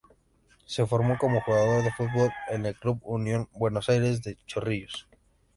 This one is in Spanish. Se formó como jugador de fútbol en el club Unión Buenos Aires de Chorrillos.